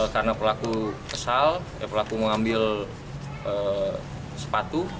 karena pelaku kesal pelaku mengambil sepatu